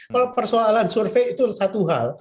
kalau persoalan survei itu satu hal